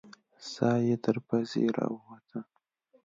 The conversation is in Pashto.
ساه يې تر پزې راووته.